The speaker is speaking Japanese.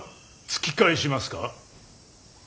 突き返しますか。